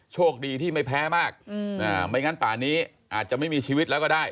โชคดีที่ไม่แพ้มากไม่งั้นป่านี้อาจจะไม่มีชีวิตแล้วก็ได้